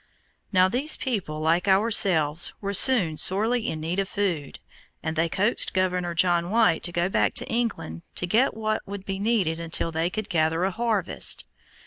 Now these people, like ourselves, were soon sorely in need of food, and they coaxed Governor John White to go back to England, to get what would be needed until they could gather a harvest.